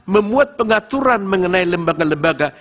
membuat pengaturan mengenai lembaga lembaga